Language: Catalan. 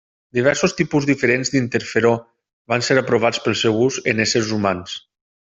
Diversos tipus diferents d'interferó van ser aprovats pel seu ús en éssers humans.